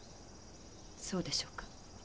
そうでしょうか。